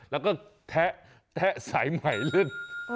แล้วก็แทะแทะสายใหม่เล่น